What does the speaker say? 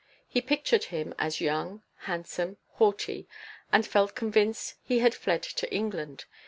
He pictured him as young, handsome, haughty, and felt convinced he had fled to England.